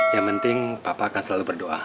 yang penting papa akan selalu berdoa